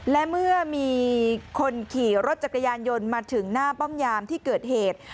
และเมื่อมีคนขี่รถจักรยานยนต์มาถึงหน้าป้อมยามที่เกิดเหตุ